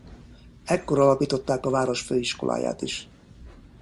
Ekkor alapították a város főiskoláját is.